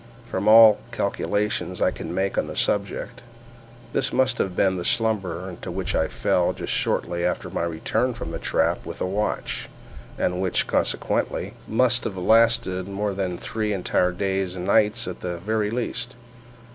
From all the calculations I can make on the subject, this must have been the slumber into which I fell just after my return from the trap with the watch, and which, consequently, must have lasted for more than three entire days and nights at the very least.